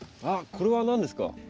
あっこれは何ですか？